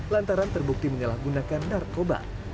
lantaran terbukti menyalahgunakan narkoba